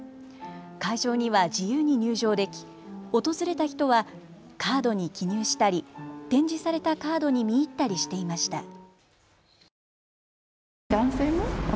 会場には自由に入場でき、訪れた人はカードに記入したり展示されたカードに見入ったりしていました。